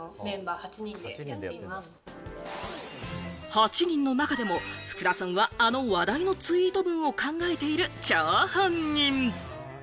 ８人の中でも福田さんはあの話題のツイート文を考えている張本人。